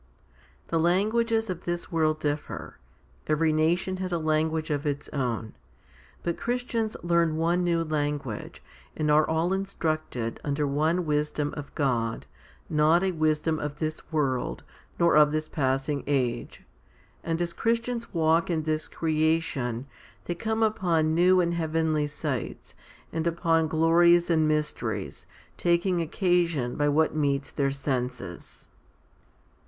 i. THE languages of this world differ. Every nation has a language of its own. But Christians learn one new language, and are all instructed under one wisdom of God, not a wisdom of this world, nor of this passing age. And as Christians walk in this creation, they come upon new and heavenly sights, and upon glories and mysteries, taking occasion by what meets their senses.